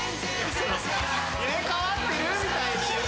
「入れ替わってる！？」みたいに言って。